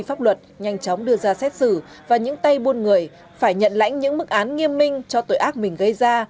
pháp luật nhanh chóng đưa ra xét xử và những tay buôn người phải nhận lãnh những mức án nghiêm minh cho tội ác mình gây ra